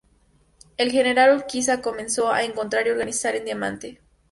El general Urquiza comenzó a concentrar y organizar en Diamante.